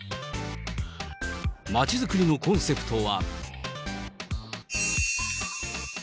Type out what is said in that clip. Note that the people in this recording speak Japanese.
まちづくりのコンセプトは。